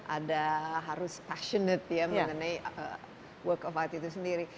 ada harus passionat mengenai work of art itu sendiri